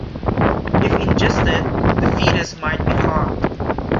If ingested, the fetus might be harmed.